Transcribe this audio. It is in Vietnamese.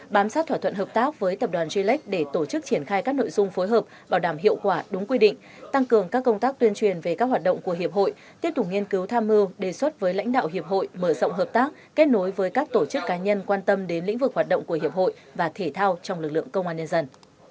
bám sát thỏa thuận hợp tác với tập đoàn g lex để tổ chức triển khai các nội dung phối hợp bảo đảm hiệu quả đúng quy định tăng cường các công tác tuyên truyền về các hoạt động của hiệp hội tiếp tục nghiên cứu tham mưu đề xuất với lãnh đạo hiệp hội mở rộng hợp tác kết nối với các tổ chức cá nhân quan tâm đến lĩnh vực hoạt động của hiệp hội và thể thao trong lực lượng công an nhân dân